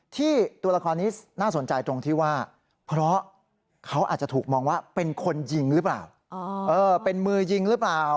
ตัวละครนี้น่าสนใจตรงที่ว่าเพราะเขาอาจจะถูกมองว่าเป็นคนยิงหรือเปล่าเป็นมือยิงหรือเปล่า